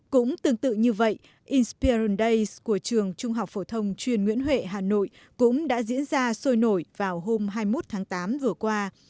cũng tương tự như vậy inspiarun day của trường trung học phổ thông chuyên nguyễn huệ hà nội cũng đã diễn ra sôi nổi vào hôm hai mươi một tháng tám vừa qua